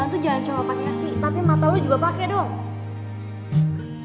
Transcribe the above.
tapi mata lo juga pake dong